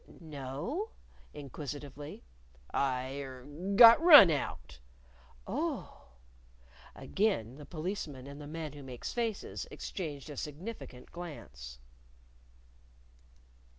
"No?" inquisitively. "I er got run out." "Oh!" Again the Policeman and the Man Who Makes Faces exchanged a significant glance.